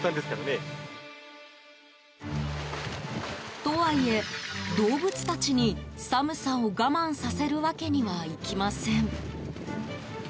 とはいえ、動物たちに寒さを我慢させるわけにはいきません。